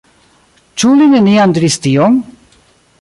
Ĉu li neniam diris tion?